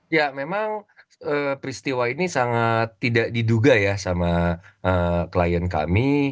ya memang peristiwa ini sangat tidak diduga ya sama klien kami